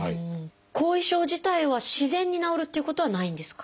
後遺症自体は自然に治るっていうことはないんですか？